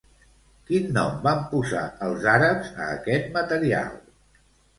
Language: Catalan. Quin nom van posar els àrabs a aquest material?